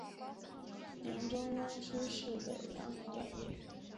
梁中庸初仕北凉段业。